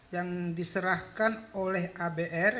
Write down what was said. yang diserahkan oleh abr